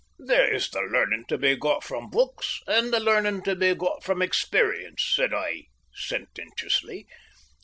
"There is the learning to be got from books and the learning to be got from experience," said I sententiously.